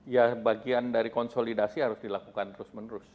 ya bagian dari konsolidasi harus dilakukan terus menerus